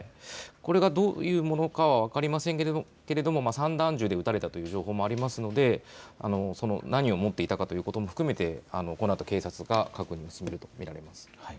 これがどういうものかは分かりませんけれども散弾銃で撃たれたという情報もありますので何を持っていたかということも含めて、このあと警察が確認を進めると見られます。